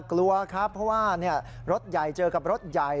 กลัวครับเพราะว่ารถใหญ่เจอกับรถใหญ่